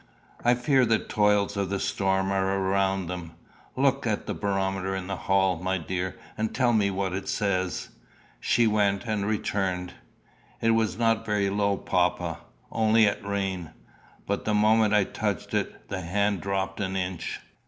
I fear the toils of the storm are around them. Look at the barometer in the hall, my dear, and tell me what it says." She went and returned. "It was not very low, papa only at rain; but the moment I touched it, the hand dropped an inch."